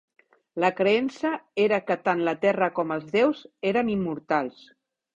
La creença era que tant la terra com els déus eren immortals.